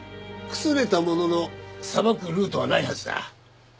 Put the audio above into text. くすねたものの捌くルートはないはずだ。